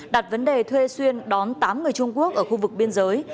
đặt vấn đề thuê xuyên đón tám người trung quốc ở khu vực biên giới